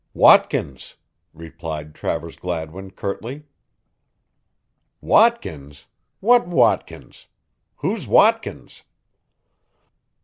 "Watkins!" replied Travers Gladwin curtly. "Watkins! What Watkins? Who's Watkins?"